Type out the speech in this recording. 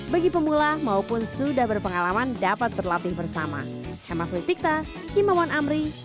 bagi pemula maupun sudah berpengalaman dapat berlatih bersama